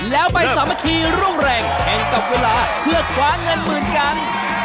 แล้วไปสามัคคีร่วมแรงแข่งกับเวลาเพื่อคว้าเงินหมื่นกัน